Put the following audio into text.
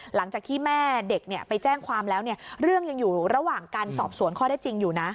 หลังจากที่แม่เด็กไปแจ้งความแล้วเรื่องยังอยู่ระหว่างการสอบสวนข้อได้จริงอยู่นะ